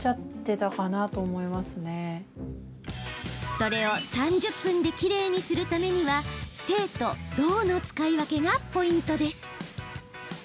それを３０分できれいにするためには静と動の使い分けがポイントです。